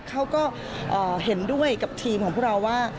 เขาก็เห็นด้วยกับทีมของพวกเราว่า